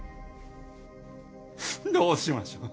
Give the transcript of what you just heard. どうしましょう。